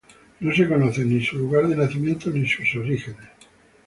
No se conocen ni su lugar de nacimiento, ni sus orígenes.